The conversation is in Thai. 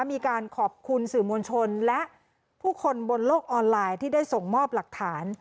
มีการขอบคุณสื่อมวลชนและผู้คนบนโลกออนไลน์ที่ได้ส่งมอบหลักฐาน